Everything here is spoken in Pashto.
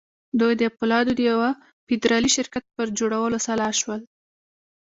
دوی د پولادو د یوه فدرالي شرکت پر جوړولو سلا شول